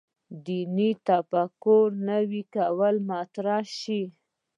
دیني تفکر نوي کول مطرح شو.